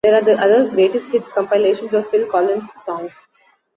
There are other greatest hits compilations of Phil Collins songs.